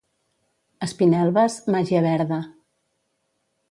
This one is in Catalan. Espinelves, màgia verda.